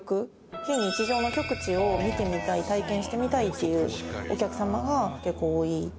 非日常の極地を見てみたい体験してみたいっていうお客様が結構多い。